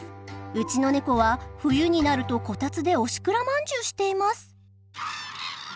うちのネコは冬になるとこたつでおしくらまんじゅうしています。